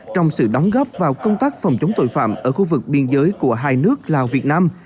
trong sự đóng góp vào công tác phòng chống tội phạm ở khu vực biên giới của hai nước lào việt nam